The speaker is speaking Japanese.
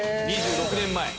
２６年前。